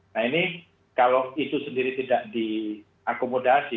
nah ini kalau itu sendiri tidak diakomodasi